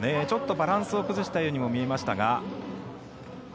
ちょっとバランスを崩したようにも見えましたが。